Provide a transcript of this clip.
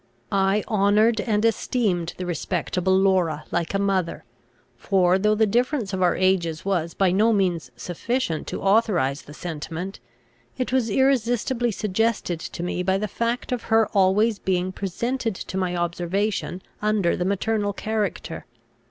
I honoured and esteemed the respectable Laura like a mother; for, though the difference of our ages was by no means sufficient to authorise the sentiment, it was irresistibly suggested to me by the fact of her always being presented to my observation under the maternal character.